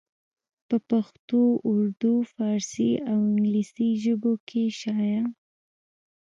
پۀ پښتو اردو، فارسي او انګريزي ژبو کښې شايع